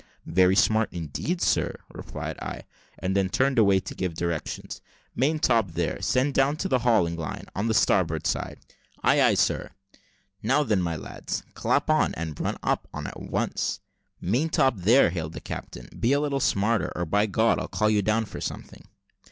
"Very smart indeed, sir," replied I; and then turned away to give directions. "Maintop there, send down the hauling line on the starboard side." "Ay, ay, sir." "Now then, my lads, clap on, and run it up at once." "Maintop, there," hailed the captain, "be a little smarter, or, by God, I'll call you down for something."